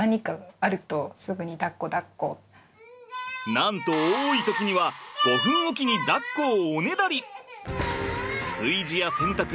なんと多い時には５分おきにだっこをおねだり。